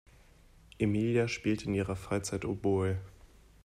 Emilia spielt in ihrer Freizeit Oboe.